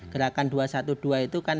gerakan dua ratus dua belas itu kan